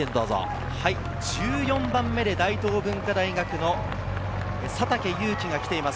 １４番目で大東文化大学の佐竹勇樹が来ています。